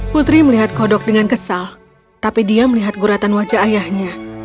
putri melihat kodok dengan kesal tapi dia melihat guratan wajah ayahnya